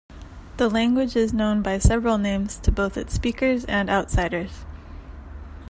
The language is known by several names to both its speakers and outsiders.